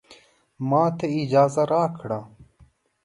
ماته اجازه راکړه